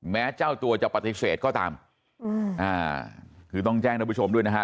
แม้เจ้าตัวจะปฏิเสธก็ตามคือต้องแจ้งนะผู้ชมด้วยนะฮะ